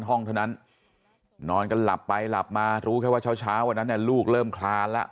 ห้องเท่านั้นนอนกันหลับไปหลับมารู้แค่ว่าเช้าวันนั้นลูกเริ่มคลานแล้ว